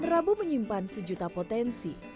merabu menyimpan sejuta potensi